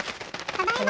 ただいま。